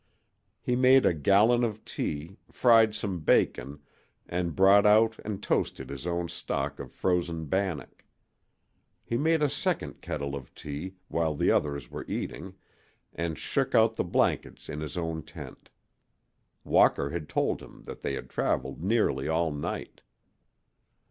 He made a gallon of tea, fried some bacon, and brought out and toasted his own stock of frozen bannock. He made a second kettle of tea while the others were eating, and shook out the blankets in his own tent. Walker had told him that they had traveled nearly all night.